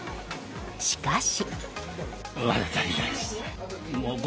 しかし。